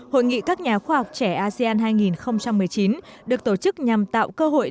hội nghị các nhà khoa học trẻ asean hai nghìn một mươi chín được tổ chức nhằm tạo cơ hội